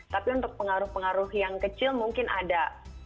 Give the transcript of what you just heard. tapi untuk pengaruh pengaruh yang kecil mungkin ada